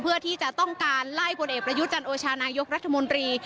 เพื่อที่จะต้องการไล่ผลเอกประยุจันโอชานายกรัฐมนตรี